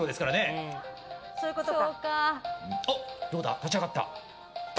立ち上がった。